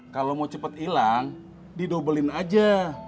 kalau mau cepat hilang didobelin aja